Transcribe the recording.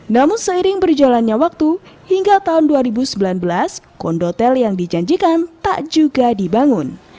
namun seiring berjalannya waktu hingga tahun dua ribu sembilan belas kondotel yang dijanjikan tak juga dibangun